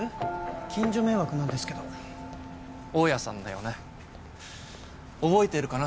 近所迷惑なんですけど大家さんだよね覚えてるかな